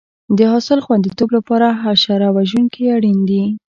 د حاصل خوندیتوب لپاره حشره وژونکي اړین دي.